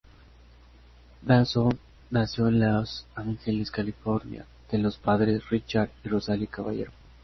Dawson nació en Los Ángeles, California, de los padres Richard y Rosalie Caballero.